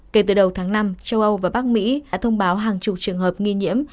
kể từ đầu tháng năm châu âu và bắc mỹ đã thông báo hàng chục trường hợp nghi nhiễm